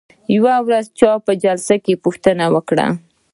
یوې ورځې چا په مجلس کې پوښتنه وکړه.